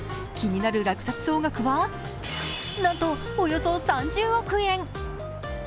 気になる落札総額はなんとおよそ３０億円。